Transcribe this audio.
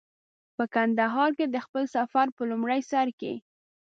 په کندهار کې د خپل سفر په لومړي سر کې.